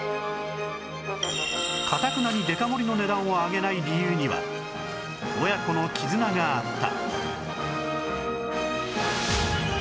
かたくなにデカ盛りの値段を上げない理由には親子の絆があった